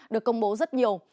được công bố rất nhiều